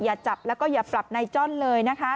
อย่าจับแล้วก็อย่าปรับนายจ้อนเลยนะคะ